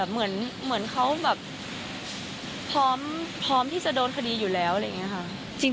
เหมือนเขาแบบพร้อมที่จะโดนคดีอยู่แล้วอะไรอย่างนี้ค่ะ